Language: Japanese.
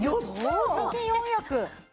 同時に４役？